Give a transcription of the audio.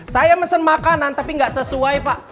saya mesen makanan tapi nggak sesuai pak